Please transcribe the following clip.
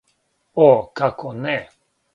О, како не.